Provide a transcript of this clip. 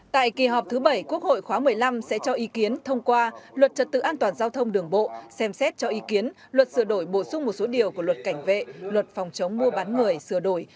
tại kỳ họp thứ bảy quốc hội khóa một mươi năm sẽ cho ý kiến thông qua luật trật tự an toàn giao thông đường bộ xem xét cho ý kiến luật sửa đổi bổ sung một số điều của luật cảnh vệ luật phòng chống mua bán người sửa đổi